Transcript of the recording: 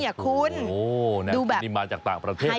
โอ้โหนี่มาจากต่างประเทศเลยนะ